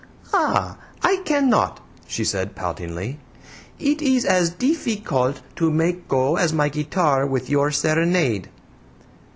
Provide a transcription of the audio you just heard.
"Ah, I cannot!" she said, poutingly. "It is as deefeecult to make go as my guitar with your serenade."